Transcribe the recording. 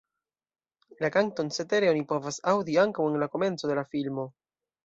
La kanton cetere oni povas aŭdi ankaŭ en la komenco de la filmo.